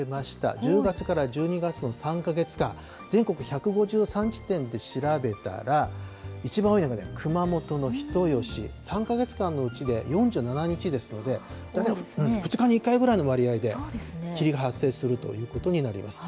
１０月から１２月の３か月間、全国１５３地点で調べたら、一番多いのが熊本の人吉、３か月間のうちで４７日ですので、大体２日に１回ぐらいの割合で霧が発生するということになります。